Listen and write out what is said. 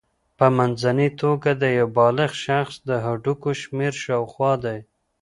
په منځنۍ توګه د یو بالغ شخص د هډوکو شمېر شاوخوا دی.